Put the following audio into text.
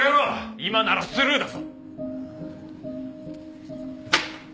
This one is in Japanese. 今ならスルーだぞ！